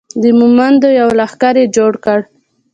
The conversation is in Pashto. د مومندو یو لښکر یې جوړ کړ.